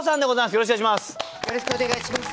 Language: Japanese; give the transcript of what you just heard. よろしくお願いします。